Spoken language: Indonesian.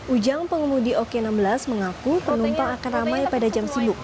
ujang pengemudi oke enam belas mengaku penumpang akan ramai pada jam sibuk